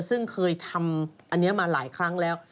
ซึ่งเคยทำอันนี้มาหลายครั้งแล้ว